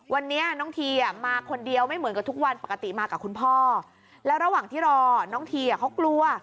วันนี้น้องทีมาคนเดียวไม่เหมือนกับทุกวันปกติมากับคุณพ่อแล้วระหว่างที่รอน้องทีเขากลัว